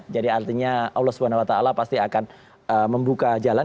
jadi artinya allah swt pasti akan membuka jalan